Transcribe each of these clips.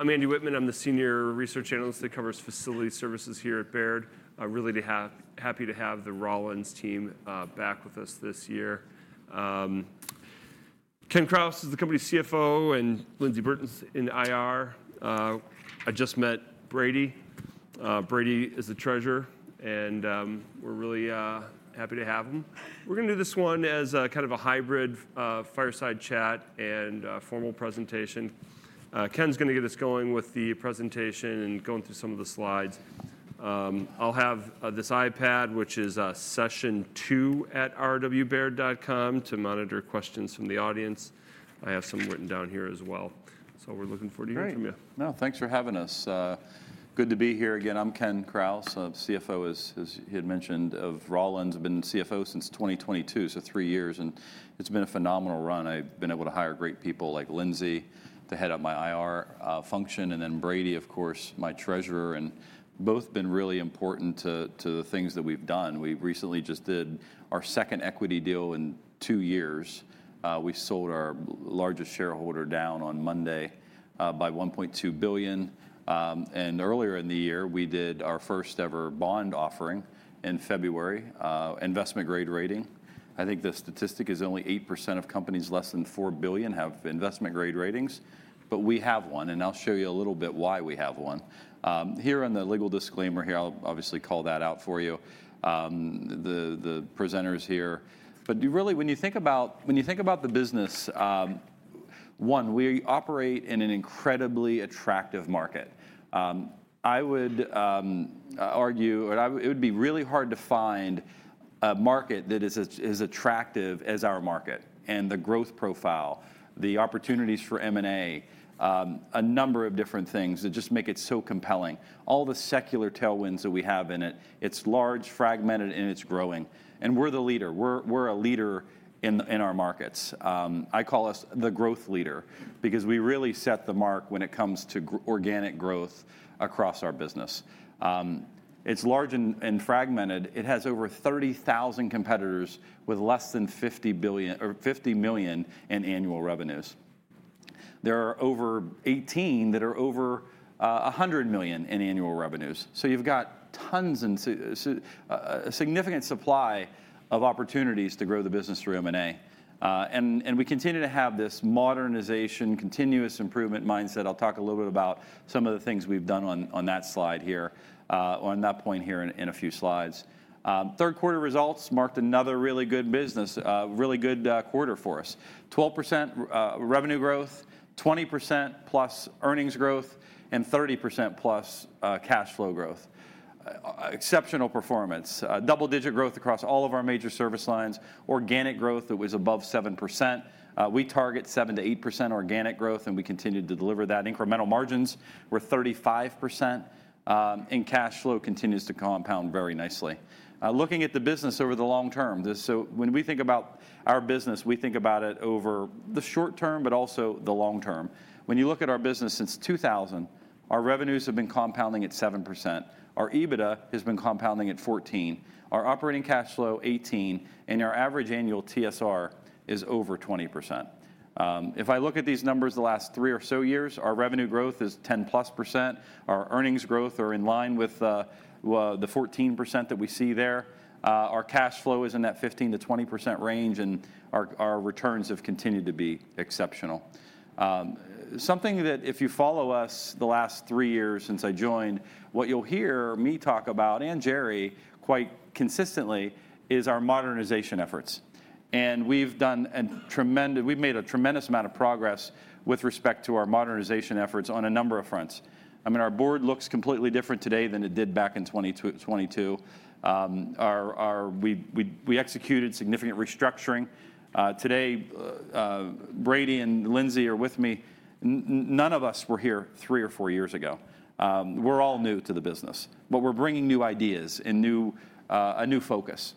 I'm Andy Wittmann. I'm the Senior Research Analyst that covers facility services here at Baird. Really happy to have the Rollins team back with us this year. Kenneth Krause is the company CFO, and Lyndsey Burton's in IR. I just met Brady. Brady is the Treasurer, and we're really happy to have him. We're going to do this one as kind of a hybrid fireside chat and formal presentation. Ken's going to get us going with the presentation and going through some of the slides. I'll have this iPad, which is session 2 at rwbaird.com, to monitor questions from the audience. I have some written down here as well. We're looking forward to hearing from you. No, thanks for having us. Good to be here. Again, I'm Ken Krause. CFO, as he had mentioned, of Rollins, been CFO since 2022, so three years. It's been a phenomenal run. I've been able to hire great people like Lyndsey to head up my IR function, and then Brady, of course, my Treasurer. Both have been really important to the things that we've done. We recently just did our second equity deal in two years. We sold our largest shareholder down on Monday by $1.2 billion. Earlier in the year, we did our first-ever bond offering in February, investment-grade rating. I think the statistic is only 8% of companies less than $4 billion have investment-grade ratings. We have one, and I'll show you a little bit why we have one. Here on the legal disclaimer here, I'll obviously call that out for you, the presenters here. But really, when you think about the business, one, we operate in an incredibly attractive market. I would argue it would be really hard to find a market that is as attractive as our market and the growth profile, the opportunities for M&A, a number of different things that just make it so compelling. All the secular tailwinds that we have in it, it's large, fragmented, and it's growing. We're the leader. We're a leader in our markets. I call us the growth leader because we really set the mark when it comes to organic growth across our business. It's large and fragmented. It has over 30,000 competitors with less than $50 million in annual revenues. There are over 18 that are over $100 million in annual revenues. You've got tons and a significant supply of opportunities to grow the business through M&A. We continue to have this modernization, continuous improvement mindset. I'll talk a little bit about some of the things we've done on that slide here, on that point here in a few slides. Third quarter results marked another really good business, really good quarter for us. 12% revenue growth, 20%+ earnings growth, and 30%+ cash flow growth. Exceptional performance. Double-digit growth across all of our major service lines. Organic growth that was above 7%. We target 7%-8% organic growth, and we continue to deliver that. Incremental margins were 35%, and cash flow continues to compound very nicely. Looking at the business over the long term, when we think about our business, we think about it over the short term, but also the long term. When you look at our business since 2000, our revenues have been compounding at 7%. Our EBITDA has been compounding at 14%. Our operating cash flow, 18%. And our average annual TSR is over 20%. If I look at these numbers the last three or so years, our revenue growth is 10+%. Our earnings growth is in line with the 14% that we see there. Our cash flow is in that 15%-20% range, and our returns have continued to be exceptional. Something that if you follow us the last three years since I joined, what you'll hear me talk about and Jerry quite consistently is our modernization efforts. We've made a tremendous amount of progress with respect to our modernization efforts on a number of fronts. I mean, our board looks completely different today than it did back in 2022. We executed significant restructuring. Today, Brady and Lyndsey are with me. None of us were here three or four years ago. We're all new to the business, but we're bringing new ideas and a new focus.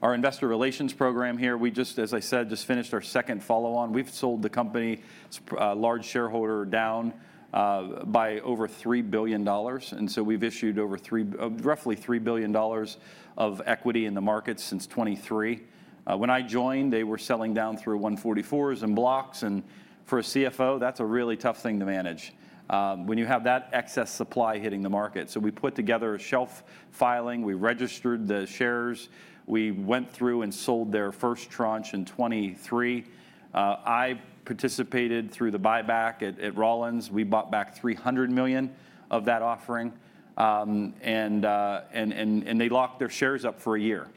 Our investor relations program here, we just, as I said, just finished our second follow-on. We've sold the company's large shareholder down by over $3 billion. We've issued over roughly $3 billion of equity in the market since 2023. When I joined, they were selling down through 144s and blocks. For a CFO, that's a really tough thing to manage when you have that excess supply hitting the market. We put together shelf filing. We registered the shares. We went through and sold their first tranche in 2023. I participated through the buyback at Rollins. We bought back $300 million of that offering. They locked their shares up for a year.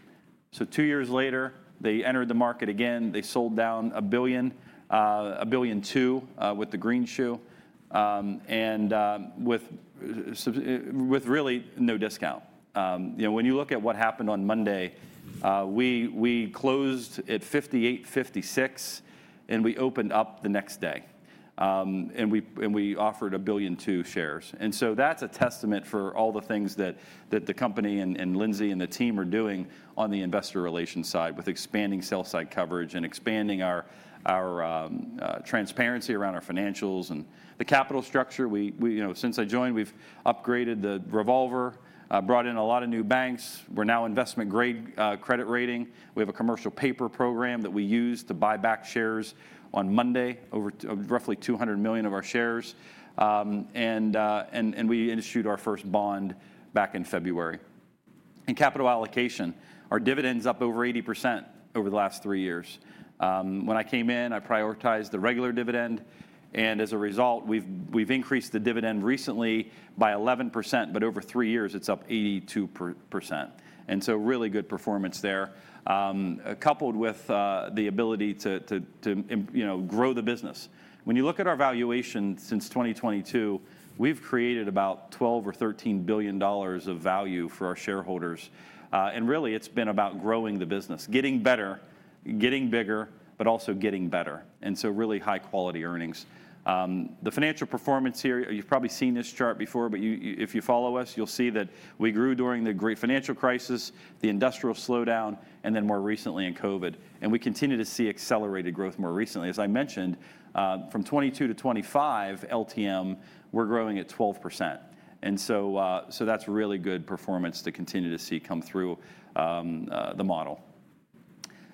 Two years later, they entered the market again. They sold down a billion, a billion two with the green shoe, and with really no discount. When you look at what happened on Monday, we closed at $58.56, and we opened up the next day. We offered a billion two shares. That is a testament for all the things that the company and Lyndsey and the team are doing on the investor relations side with expanding sell-side coverage and expanding our transparency around our financials and the capital structure. Since I joined, we have upgraded the revolver, brought in a lot of new banks. We are now investment-grade credit rating. We have a commercial paper program that we use to buy back shares on Monday, roughly $200 million of our shares. We issued our first bond back in February. Capital allocation, our dividend is up over 80% over the last three years. When I came in, I prioritized the regular dividend. As a result, we have increased the dividend recently by 11%. Over three years, it is up 82%. Really good performance there, coupled with the ability to grow the business. When you look at our valuation since 2022, we have created about $12 billion-$13 billion of value for our shareholders. It has been about growing the business, getting better, getting bigger, but also getting better. Really high-quality earnings. The financial performance here, you have probably seen this chart before, but if you follow us, you will see that we grew during the great financial crisis, the industrial slowdown, and then more recently in COVID. We continue to see accelerated growth more recently. As I mentioned, from 2022 to 2025, LTM, we are growing at 12%. That's really good performance to continue to see come through the model.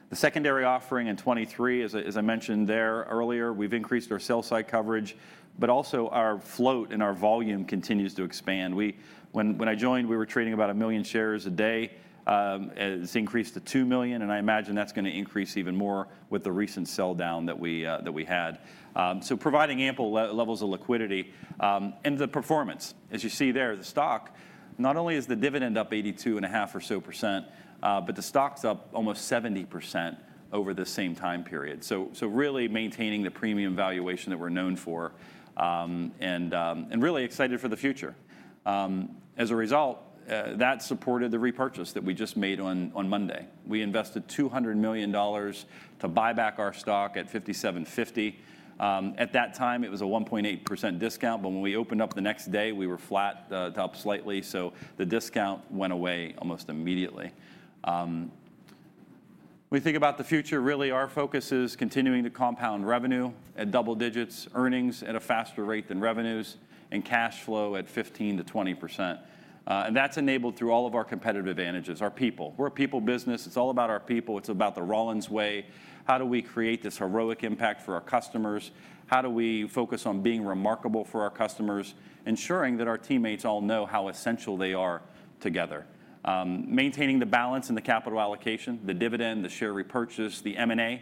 The secondary offering in 2023, as I mentioned there earlier, we've increased our sell-side coverage, but also our float and our volume continues to expand. When I joined, we were trading about a million shares a day. It's increased to $2 million. I imagine that's going to increase even more with the recent sell-down that we had. Providing ample levels of liquidity. The performance, as you see there, the stock, not only is the dividend up 82.5% or so, but the stock's up almost 70% over the same time period. Really maintaining the premium valuation that we're known for and really excited for the future. As a result, that supported the repurchase that we just made on Monday. We invested $200 million to buy back our stock at $57.50. At that time, it was a 1.8% discount. When we opened up the next day, we were flat to up slightly. The discount went away almost immediately. When you think about the future, really our focus is continuing to compound revenue at double digits, earnings at a faster rate than revenues, and cash flow at 15%-20%. That's enabled through all of our competitive advantages, our people. We're a people business. It's all about our people. It's about the Rollins way. How do we create this heroic impact for our customers? How do we focus on being remarkable for our customers, ensuring that our teammates all know how essential they are together? Maintaining the balance in the capital allocation, the dividend, the share repurchase, the M&A,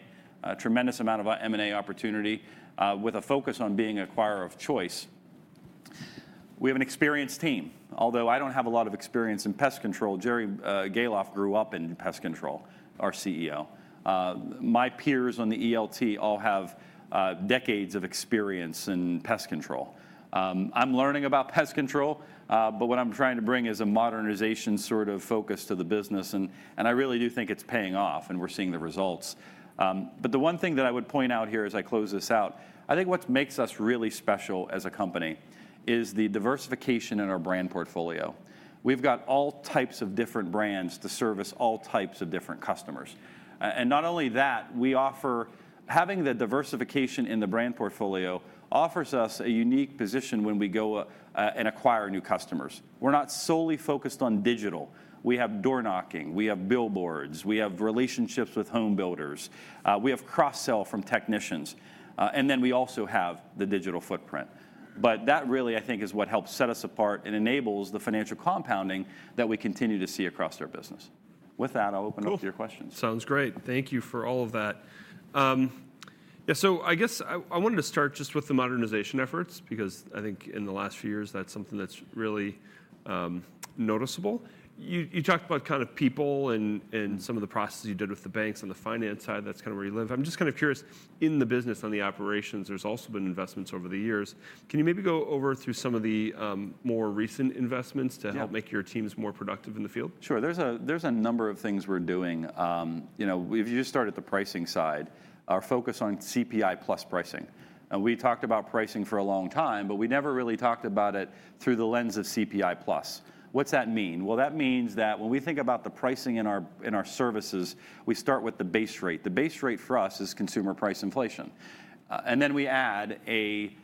tremendous amount of M&A opportunity with a focus on being an acquirer of choice. We have an experienced team. Although I don't have a lot of experience in pest control, Jerry Gahlhoff grew up in pest control, our CEO. My peers on the ELT all have decades of experience in pest control. I'm learning about pest control, but what I'm trying to bring is a modernization sort of focus to the business. I really do think it's paying off, and we're seeing the results. The one thing that I would point out here as I close this out, I think what makes us really special as a company is the diversification in our brand portfolio. We've got all types of different brands to service all types of different customers. Not only that, having the diversification in the brand portfolio offers us a unique position when we go and acquire new customers. We're not solely focused on digital. We have door knocking. We have billboards. We have relationships with home builders. We have cross-sell from technicians. We also have the digital footprint. That really, I think, is what helps set us apart and enables the financial compounding that we continue to see across our business. With that, I'll open it up to your questions. Sounds great. Thank you for all of that. Yeah, I guess I wanted to start just with the modernization efforts because I think in the last few years, that's something that's really noticeable. You talked about kind of people and some of the processes you did with the banks on the finance side. That's kind of where you live. I'm just kind of curious. In the business, on the operations, there's also been investments over the years. Can you maybe go over through some of the more recent investments to help make your teams more productive in the field? Sure. There are a number of things we are doing. If you just start at the pricing side, our focus on CPI plus pricing. We have talked about pricing for a long time, but we never really talked about it through the lens of CPI plus. What does that mean? That means that when we think about the pricing in our services, we start with the base rate. The base rate for us is consumer price inflation. Then we add a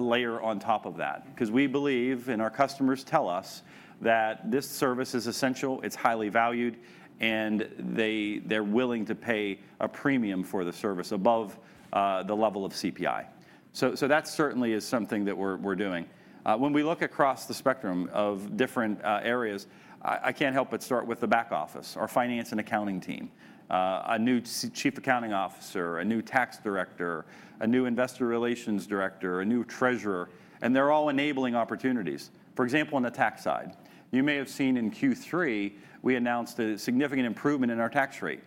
layer on top of that because we believe, and our customers tell us, that this service is essential, it is highly valued, and they are willing to pay a premium for the service above the level of CPI. That certainly is something that we are doing. When we look across the spectrum of different areas, I can't help but start with the back office, our finance and accounting team, a new Chief Accounting Officer, a new tax director, a new investor relations director, a new Treasurer. They're all enabling opportunities. For example, on the tax side, you may have seen in Q3, we announced a significant improvement in our tax rate,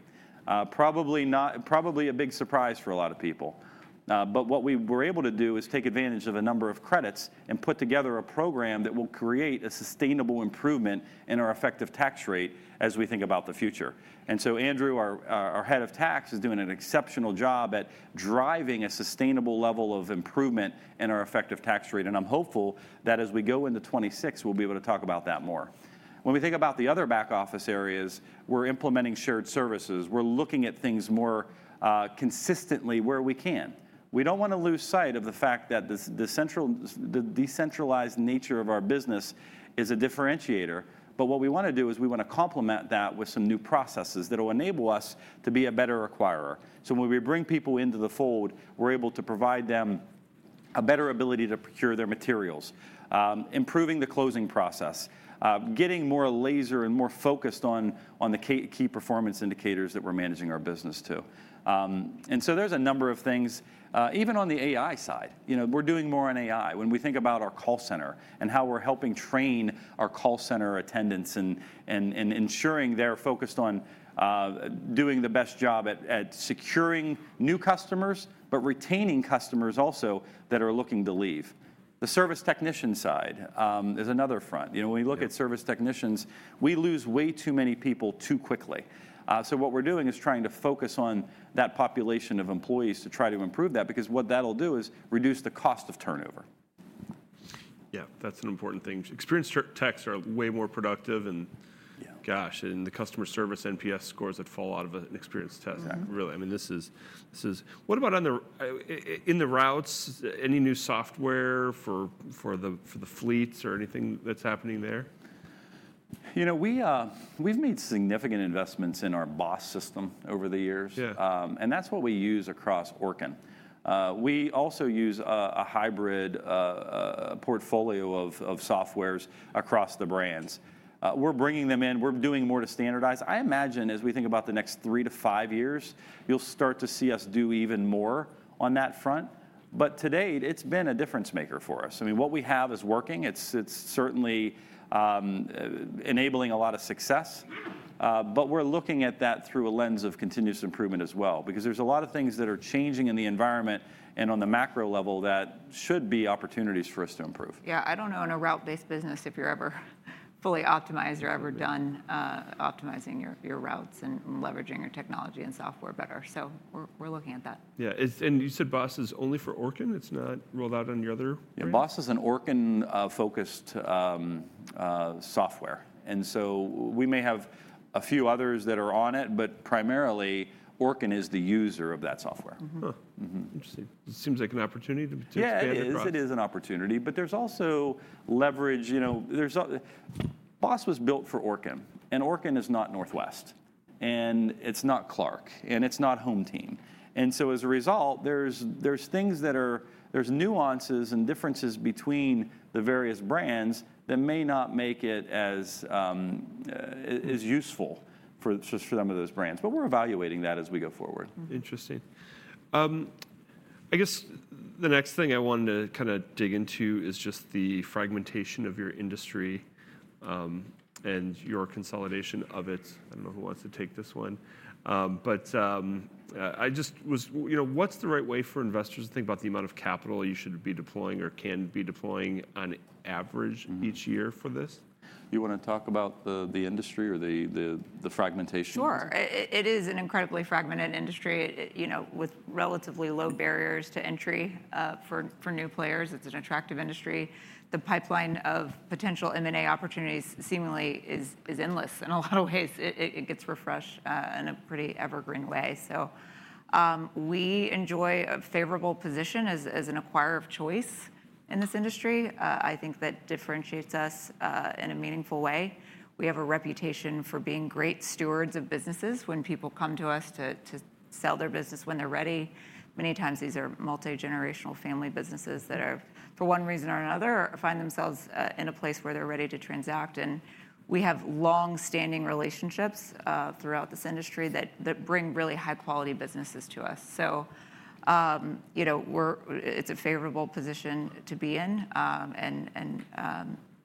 probably a big surprise for a lot of people. What we were able to do is take advantage of a number of credits and put together a program that will create a sustainable improvement in our effective tax rate as we think about the future. Andrew, our head of tax, is doing an exceptional job at driving a sustainable level of improvement in our effective tax rate. I'm hopeful that as we go into 2026, we'll be able to talk about that more. When we think about the other back office areas, we're implementing shared services. We're looking at things more consistently where we can. We don't want to lose sight of the fact that the decentralized nature of our business is a differentiator. What we want to do is we want to complement that with some new processes that will enable us to be a better acquirer. When we bring people into the fold, we're able to provide them a better ability to procure their materials, improving the closing process, getting more laser and more focused on the key performance indicators that we're managing our business to. There's a number of things. Even on the AI side, we're doing more on AI. When we think about our call center and how we're helping train our call center attendants and ensuring they're focused on doing the best job at securing new customers, but retaining customers also that are looking to leave. The service technician side is another front. When we look at service technicians, we lose way too many people too quickly. What we're doing is trying to focus on that population of employees to try to improve that because what that'll do is reduce the cost of turnover. Yeah, that's an important thing. Experienced techs are way more productive. Gosh, the customer service NPS scores that fall out of an experienced tech, really. I mean, this is what about in the routes? Any new software for the fleets or anything that's happening there? You know, we've made significant investments in our BOSS system over the years. That's what we use across Orkin. We also use a hybrid portfolio of softwares across the brands. We're bringing them in. We're doing more to standardize. I imagine as we think about the next three to five years, you'll start to see us do even more on that front. To date, it's been a difference maker for us. I mean, what we have is working. It's certainly enabling a lot of success. We're looking at that through a lens of continuous improvement as well because there's a lot of things that are changing in the environment and on the macro level that should be opportunities for us to improve. Yeah, I don't own a route-based business if you're ever fully optimized or ever done optimizing your routes and leveraging your technology and software better. So we're looking at that. Yeah. You said BOSS is only for Orkin? It's not rolled out on your other? Yeah, BOSS is an Orkin-focused software. We may have a few others that are on it, but primarily, Orkin is the user of that software. Interesting. It seems like an opportunity to expand the product. Yeah, it is an opportunity. There is also leverage. BOSS was built for Orkin. Orkin is not Northwest. It is not Clark. It is not HomeTeam. As a result, there are things that are, there are nuances and differences between the various brands that may not make it as useful for some of those brands. We are evaluating that as we go forward. Interesting. I guess the next thing I wanted to kind of dig into is just the fragmentation of your industry and your consolidation of it. I don't know who wants to take this one. I just was what's the right way for investors to think about the amount of capital you should be deploying or can be deploying on average each year for this? You want to talk about the industry or the fragmentation? Sure. It is an incredibly fragmented industry with relatively low barriers to entry for new players. It's an attractive industry. The pipeline of potential M&A opportunities seemingly is endless. In a lot of ways, it gets refreshed in a pretty evergreen way. We enjoy a favorable position as an acquirer of choice in this industry. I think that differentiates us in a meaningful way. We have a reputation for being great stewards of businesses when people come to us to sell their business when they're ready. Many times, these are multi-generational family businesses that are, for one reason or another, find themselves in a place where they're ready to transact. We have long-standing relationships throughout this industry that bring really high-quality businesses to us. It is a favorable position to be in.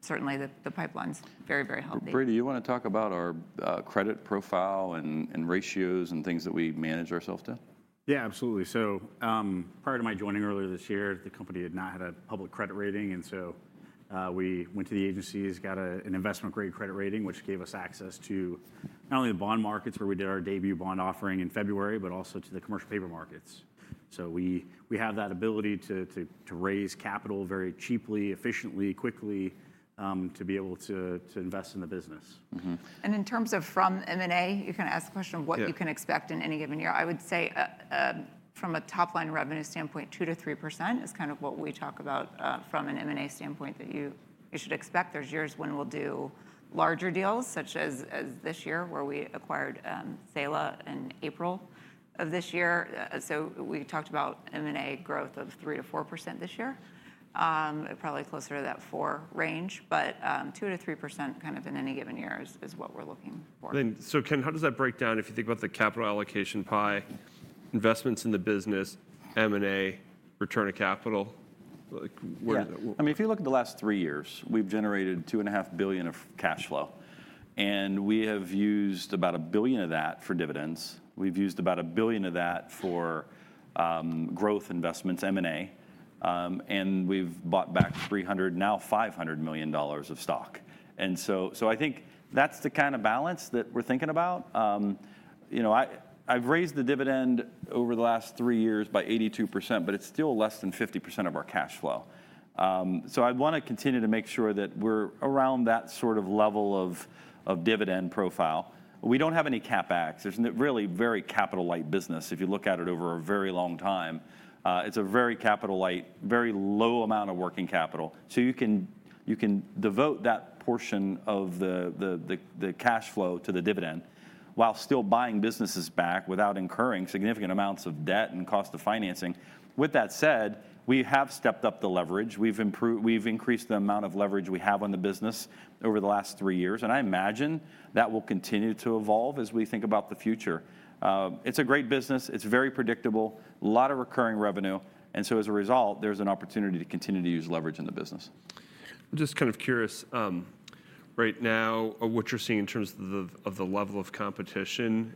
Certainly, the pipeline's very, very healthy. Brady, you want to talk about our credit profile and ratios and things that we manage ourselves to? Yeah, absolutely. Prior to my joining earlier this year, the company had not had a public credit rating. We went to the agencies, got an investment-grade credit rating, which gave us access to not only the bond markets where we did our debut bond offering in February, but also to the commercial paper markets. We have that ability to raise capital very cheaply, efficiently, quickly to be able to invest in the business. In terms of from M&A, you can ask the question of what you can expect in any given year. I would say from a top-line revenue standpoint, 2%-3% is kind of what we talk about from an M&A standpoint that you should expect. There are years when we will do larger deals, such as this year where we acquired Saela in April of this year. We talked about M&A growth of 3%-4% this year, probably closer to that 4% range. But 2%-3% kind of in any given year is what we are looking for. How does that break down if you think about the capital allocation pie, investments in the business, M&A, return of capital? Yeah. I mean, if you look at the last three years, we've generated $2.5 billion of cash flow. And we have used about $1 billion of that for dividends. We've used about $1 billion of that for growth investments, M&A. And we've bought back $300 million, now $500 million of stock. And so I think that's the kind of balance that we're thinking about. I've raised the dividend over the last three years by 82%, but it's still less than 50% of our cash flow. So I'd want to continue to make sure that we're around that sort of level of dividend profile. We don't have any CapEx. There's really very capital-light business. If you look at it over a very long time, it's a very capital-light, very low amount of working capital. You can devote that portion of the cash flow to the dividend while still buying businesses back without incurring significant amounts of debt and cost of financing. With that said, we have stepped up the leverage. We've increased the amount of leverage we have on the business over the last three years. I imagine that will continue to evolve as we think about the future. It's a great business. It's very predictable, a lot of recurring revenue. As a result, there's an opportunity to continue to use leverage in the business. I'm just kind of curious right now what you're seeing in terms of the level of competition.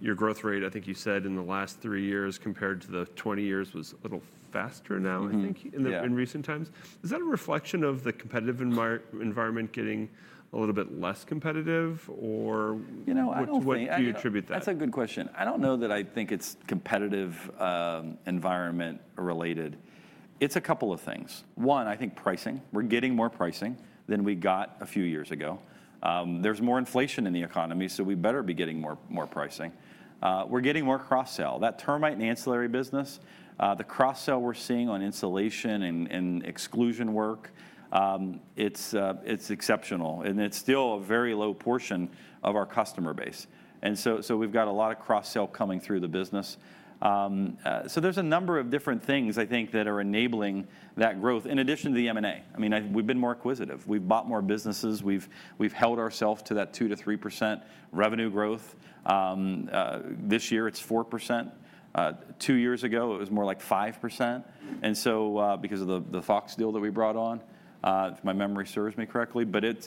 Your growth rate, I think you said in the last three years compared to the 20 years was a little faster now, I think, in recent times. Is that a reflection of the competitive environment getting a little bit less competitive? What do you attribute that? You know, I don't think that's a good question. I don't know that I think it's competitive environment related. It's a couple of things. One, I think pricing. We're getting more pricing than we got a few years ago. There's more inflation in the economy, so we better be getting more pricing. We're getting more cross-sell. That termite and ancillary business, the cross-sell we're seeing on insulation and exclusion work, it's exceptional. And it's still a very low portion of our customer base. And so we've got a lot of cross-sell coming through the business. So there's a number of different things, I think, that are enabling that growth in addition to the M&A. I mean, we've been more acquisitive. We've bought more businesses. We've held ourselves to that 2%-3% revenue growth. This year, it's 4%. Two years ago, it was more like 5%. Because of the FOX deal that we brought on, if my memory serves me correctly. But it's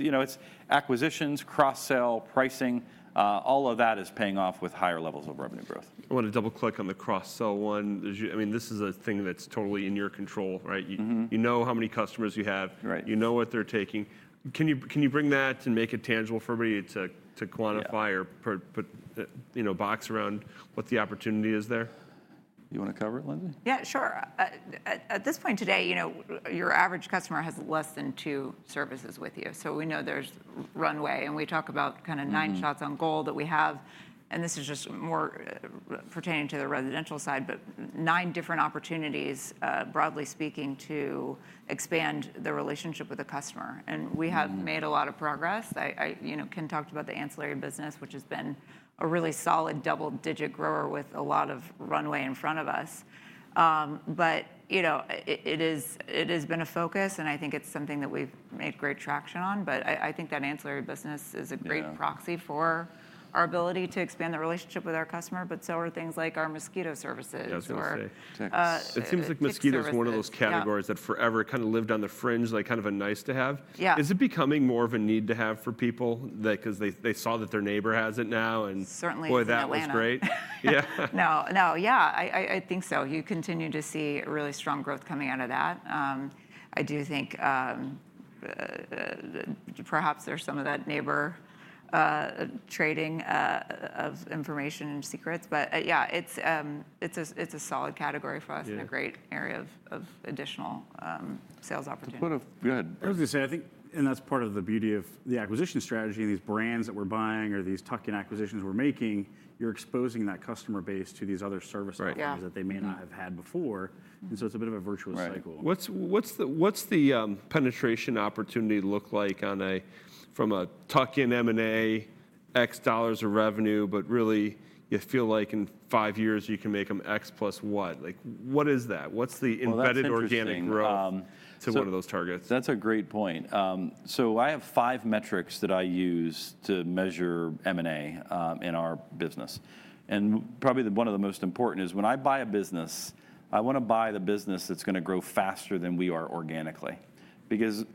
acquisitions, cross-sell, pricing, all of that is paying off with higher levels of revenue growth. I want to double-click on the cross-sell one. I mean, this is a thing that's totally in your control, right? You know how many customers you have. You know what they're taking. Can you bring that and make it tangible for everybody to quantify or box around what the opportunity is there? You want to cover it, Lyndsey? Yeah, sure. At this point today, your average customer has less than two services with you. We know there's runway. We talk about kind of nine shots on goal that we have. This is just more pertaining to the residential side, but nine different opportunities, broadly speaking, to expand the relationship with the customer. We have made a lot of progress. Ken talked about the ancillary business, which has been a really solid double-digit grower with a lot of runway in front of us. It has been a focus. I think it's something that we've made great traction on. I think that ancillary business is a great proxy for our ability to expand the relationship with our customer. So are things like our mosquito services. That's what I was going to say. It seems like mosquito is one of those categories that forever kind of lived on the fringe, like kind of a nice-to-have. Is it becoming more of a need-to-have for people because they saw that their neighbor has it now and boy, that one's great? Certainly. No, no. Yeah, I think so. You continue to see really strong growth coming out of that. I do think perhaps there's some of that neighbor trading of information and secrets. Yeah, it's a solid category for us and a great area of additional sales opportunity. Go ahead. I was going to say, I think, and that's part of the beauty of the acquisition strategy and these brands that we're buying or these tuck-in acquisitions we're making, you're exposing that customer base to these other service programs that they may not have had before. It's a bit of a virtuous cycle. Right. What's the penetration opportunity look like from a tuck-in M&A, X dollars of revenue, but really you feel like in five years you can make them X plus what? What is that? What's the embedded organic growth to one of those targets? That's a great point. I have five metrics that I use to measure M&A in our business. Probably one of the most important is when I buy a business, I want to buy the business that's going to grow faster than we are organically. In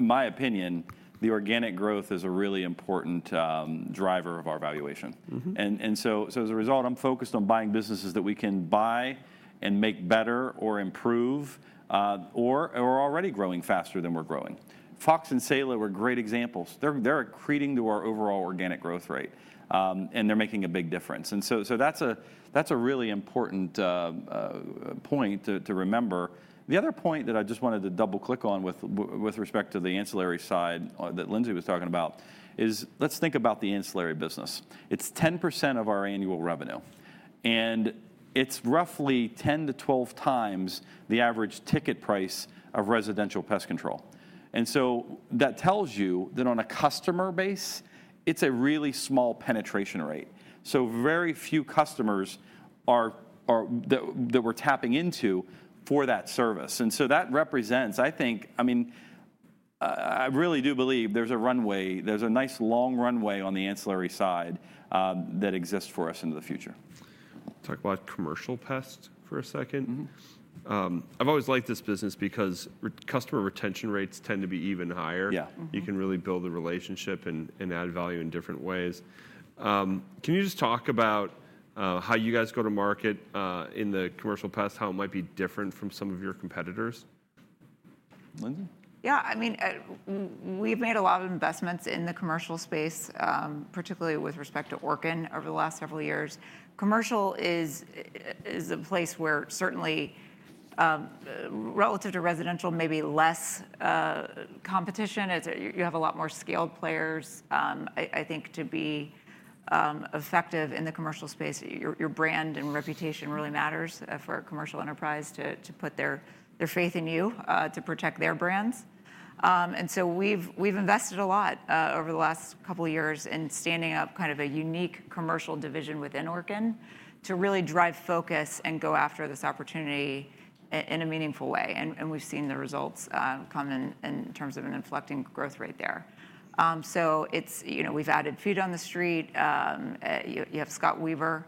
my opinion, the organic growth is a really important driver of our valuation. As a result, I'm focused on buying businesses that we can buy and make better or improve or are already growing faster than we're growing. FOX and Saela were great examples. They're accreting to our overall organic growth rate. They're making a big difference. That's a really important point to remember. The other point that I just wanted to double-click on with respect to the ancillary side that Lyndsey was talking about is let's think about the ancillary business. It's 10% of our annual revenue. It's roughly 10x-12x the average ticket price of residential pest control. That tells you that on a customer base, it's a really small penetration rate. Very few customers that we're tapping into for that service. That represents, I think, I mean, I really do believe there's a runway. There's a nice long runway on the ancillary side that exists for us into the future. Talk about commercial pest for a second. I've always liked this business because customer retention rates tend to be even higher. You can really build the relationship and add value in different ways. Can you just talk about how you guys go to market in the commercial pest, how it might be different from some of your competitors? Yeah. I mean, we've made a lot of investments in the commercial space, particularly with respect to Orkin over the last several years. Commercial is a place where certainly relative to residential, maybe less competition. You have a lot more scaled players. I think to be effective in the commercial space, your brand and reputation really matters for a commercial enterprise to put their faith in you to protect their brands. We have invested a lot over the last couple of years in standing up kind of a unique commercial division within Orkin to really drive focus and go after this opportunity in a meaningful way. We have seen the results come in terms of an inflecting growth rate there. We have added feet on the street. You have Scott Weaver,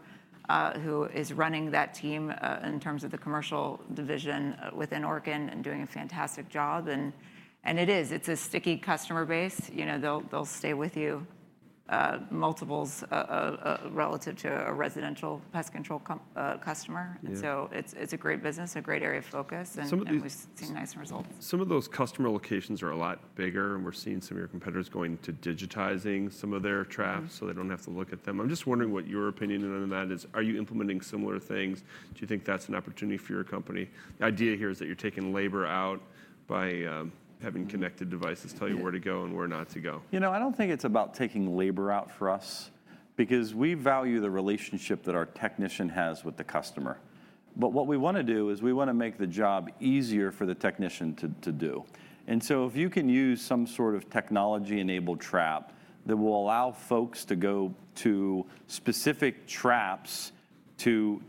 who is running that team in terms of the commercial division within Orkin and doing a fantastic job. It is. It's a sticky customer base. They'll stay with you multiples relative to a residential pest control customer. It is a great business, a great area of focus. We've seen nice results. Some of those customer locations are a lot bigger. We're seeing some of your competitors going to digitizing some of their traps so they don't have to look at them. I'm just wondering what your opinion on that is. Are you implementing similar things? Do you think that's an opportunity for your company? The idea here is that you're taking labor out by having connected devices tell you where to go and where not to go. You know, I don't think it's about taking labor out for us because we value the relationship that our technician has with the customer. What we want to do is we want to make the job easier for the technician to do. If you can use some sort of technology-enabled trap that will allow folks to go to specific traps to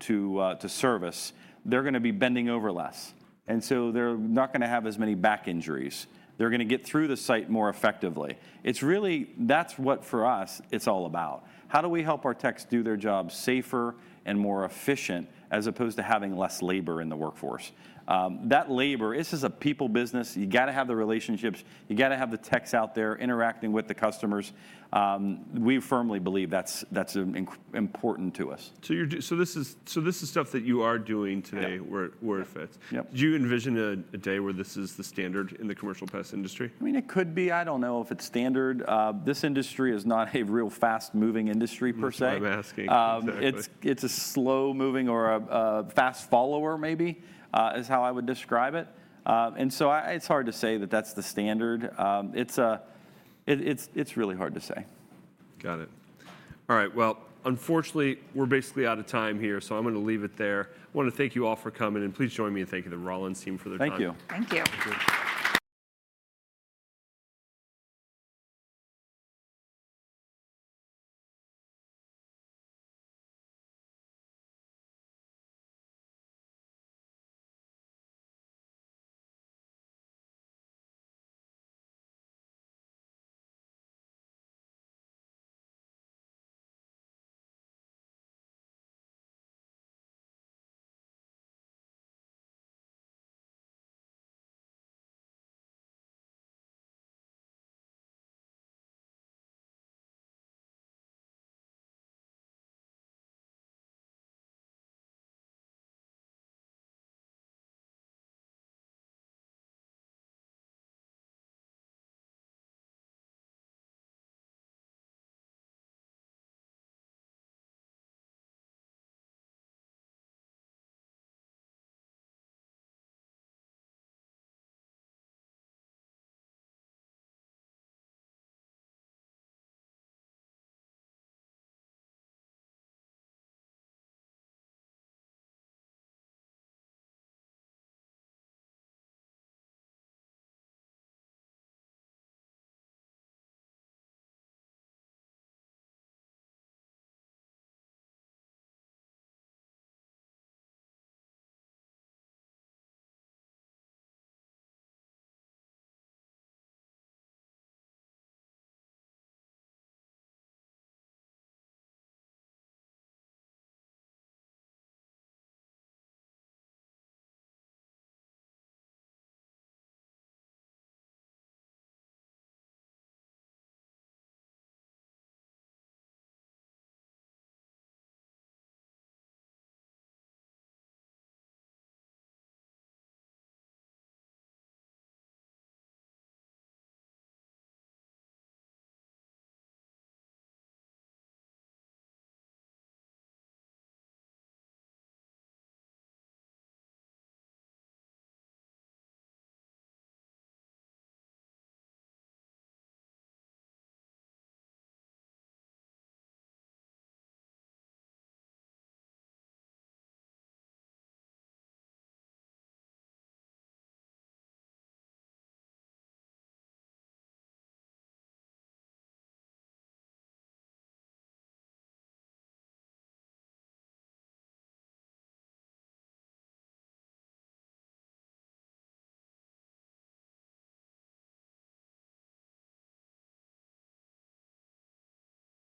service, they're going to be bending over less. They're not going to have as many back injuries. They're going to get through the site more effectively. It's really that's what for us, it's all about. How do we help our techs do their job safer and more efficient as opposed to having less labor in the workforce? That labor, this is a people business. You've got to have the relationships. You've got to have the techs out there interacting with the customers. We firmly believe that's important to us. This is stuff that you are doing today where it fits. Do you envision a day where this is the standard in the commercial pest industry? I mean, it could be. I don't know if it's standard. This industry is not a real fast-moving industry per se. I'm not asking. It's a slow-moving or a fast follower, maybe, is how I would describe it. It's hard to say that that's the standard. It's really hard to say. Got it. All right. Unfortunately, we're basically out of time here. I'm going to leave it there. I want to thank you all for coming. Please join me in thanking the Rollins team for their time. Thank you. Thank you.